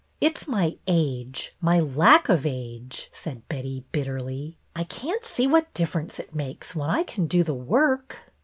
" It 's my age, my lack of age," said Betty, bitterly. " I can't see what difference it makes when I can do the work."